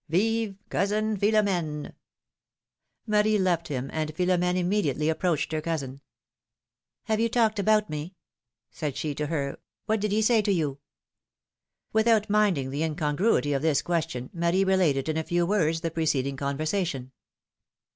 Vive ! cousin Philom^ne ! Marie left him, and Philom^ne immediately approached her cousin. ^^Have you talked about me?^^ said she to her; ^^what did he say to you ?" Without minding the incongruity of this question, Marie related in a few words the preceding conversation.